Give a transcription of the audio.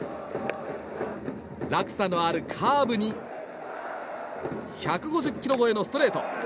落差のあるカーブに１５０キロ超えのストレート。